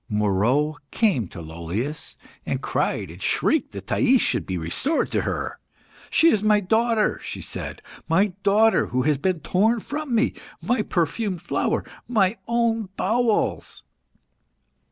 Moeroe came to Lollius, and cried and shrieked that Thais should be restored to her. "She is my daughter," she said, "my daughter, who has been torn from me. My perfumed flower my own bowels